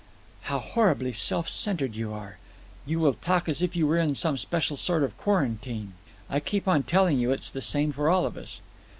"How horribly self centred you are! You will talk as if you were in some special sort of quarantine. I keep on telling you it's the same for all of us."